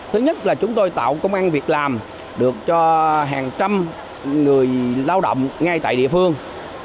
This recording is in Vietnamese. thứ nhất là chúng tôi tạo công an việc làm được cho hàng trăm người lao động ngay tại địa phương